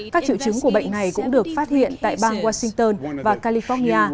các triệu chứng của bệnh này cũng được phát hiện tại bang washington và california